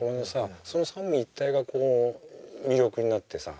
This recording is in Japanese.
その三位一体がこう魅力になってさ